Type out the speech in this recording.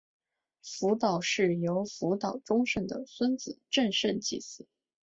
福岛氏由福岛忠胜的孙子正胜继嗣。